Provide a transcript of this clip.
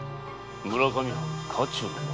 村上藩家中の者？